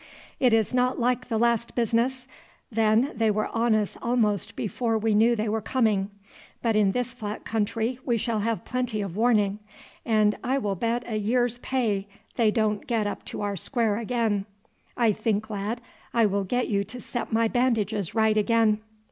It is not like the last business; then they were on us almost before we knew they were coming, but in this flat country we shall have plenty of warning; and I will bet a year's pay they don't get up to our square again. I think, lad, I will get you to set my bandages right again."